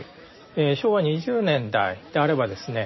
昭和２０年代であればですね